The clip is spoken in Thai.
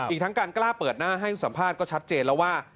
อีกทั้งการกล้าเปิดหน้าให้สัมภาษณ์ก็ชัดเจนแล้วว่า